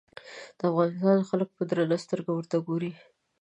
د افغانستان خلک په درنه سترګه ورته ګوري.